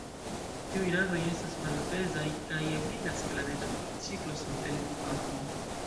Tiuj radoj estas malpezaj kaj ebligas, ke la neĝa motorciklo sin tenu sur akvo.